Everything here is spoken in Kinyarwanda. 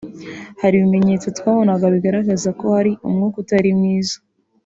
Hari ibimenyetso twabonaga bigaragaza ko hari umwuka utari mwiza